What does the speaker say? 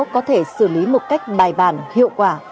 có thể xử lý một cách bài bản hiệu quả